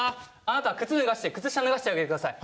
あなたは靴脱がして靴下脱がせてあげてください。